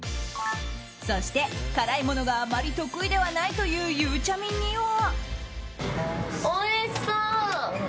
そして、辛いものがあまり得意ではないというゆうちゃみには。